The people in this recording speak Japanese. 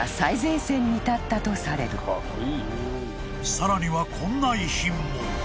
［さらにはこんな遺品も］